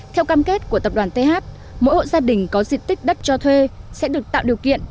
theo cam kết của tập đoàn th mỗi hộ gia đình có diện tích đất cho thuê sẽ được tạo điều kiện